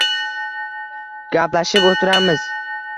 — Gaplashib o‘tiramiz.